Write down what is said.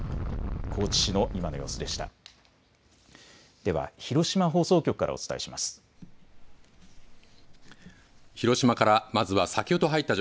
高知市の今の様子でした。